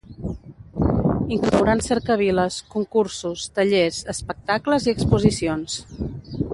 Inclouran cercaviles, concursos, tallers, espectacles i exposicions.